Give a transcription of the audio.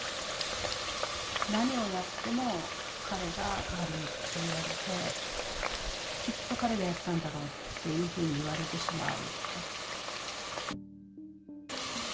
何をやっても彼が悪いって言われてきっと彼がやったんだろうっていうふうに言われてしまう。